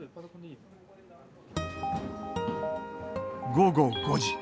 午後５時。